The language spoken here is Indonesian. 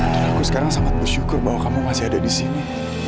dan aku sekarang sangat bersyukur bahwa kamu masih ada di sini